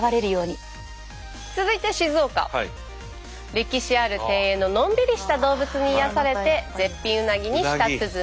歴史ある庭園ののんびりした動物に癒やされて絶品うなぎに舌鼓。